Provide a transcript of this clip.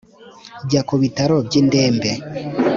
Jya ku bitaro by indembe